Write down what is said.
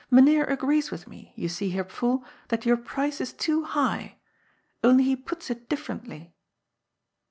" Mynheer agrees with me, you see, Herr Pfuhl, that your price is too high. Only he puts it differently."